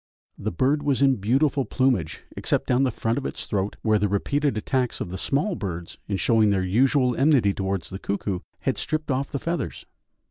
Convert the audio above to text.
The bird was in beautiful plumage, except down the front of its throat, where the repeated attacks of the small birds in showing their usual enmity towards the cuckoo, had stripped off the feathers.